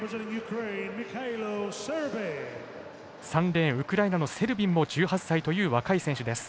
３レーン、ウクライナのセルビンも１８歳という若い選手です。